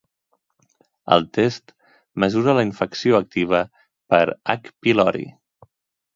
El test mesura la infecció activa per "H. pylori".